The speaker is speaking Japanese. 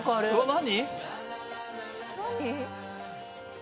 何？